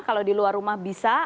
kalau di luar rumah bisa